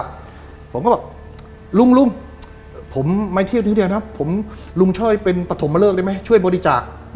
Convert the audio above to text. ผมก็บอกลุงลุงผมมาเที่ยวที่เดียวนะผมลุงช่วยเป็นปฐมเลิกได้ไหมช่วยบริจาค